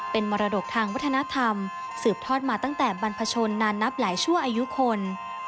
เป็นมรดกทางวัฒนธรรมสืบทอดมาตั้งแต่บรรพชนนานนับหลายชั่วอายุคน